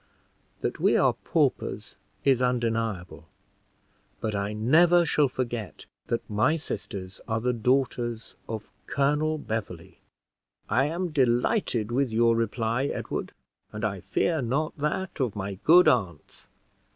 That we are paupers, is undeniable, but I never shall forgot that my sisters are the daughters of Colonel Beverley." "I am delighted with your reply, Edward, and I fear not that of my good aunts.